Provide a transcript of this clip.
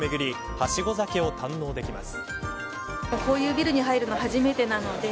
はしご酒を堪能できます。